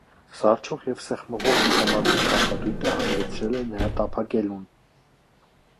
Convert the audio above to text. Սառչող և սեղմվող միգամածության պտույտը հանգեցրել է նրա տափակելուն։